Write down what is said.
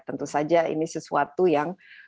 tentu saja ini sesuatu yang